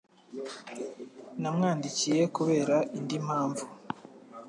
Namwandikiye kubera indi mpamvu.